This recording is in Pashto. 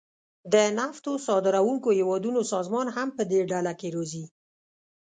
د نفتو صادرونکو هیوادونو سازمان هم پدې ډله کې راځي